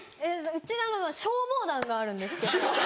うち消防団があるんですけど。